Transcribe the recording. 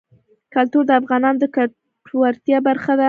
کلتور د افغانانو د ګټورتیا برخه ده.